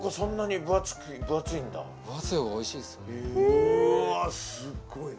うわすっごいな。